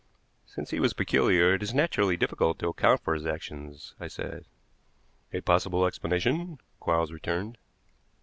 "Since he was peculiar, it is naturally difficult to account for his actions," I said. "A possible explanation," Quarles returned.